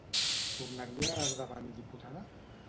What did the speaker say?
Tornaria a esdevenir diputada?